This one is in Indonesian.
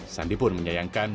sandi pun menyayangkan